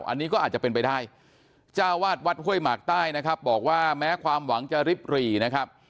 อันนี้ก็อาจจะเป็นไปได้จ้าวาดวัดห้วยหมากใต้นะครับบอกว่าแม้ความหวังจะริบหรี่นะครับ